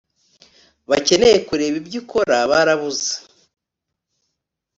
Bakeneye kureba ibyo ukora barabuze